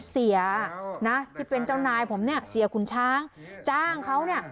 เสียนะที่เป็นเจ้านายผมเนี่ยเสียขุนช้างจ้างเขาเนี่ย